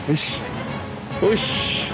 よし！